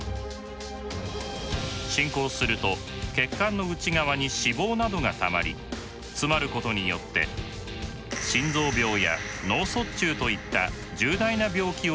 進行すると血管の内側に脂肪などがたまり詰まることによって心臓病や脳卒中といった重大な病気を引き起こすことがあります。